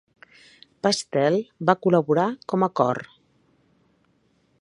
Pastel va col·laborar com a cor.